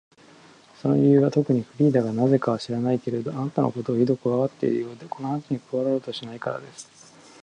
その理由はとくに、フリーダがなぜか知らないけれど、あなたのことをひどくこわがっているようで、この話に加わろうとしないからです。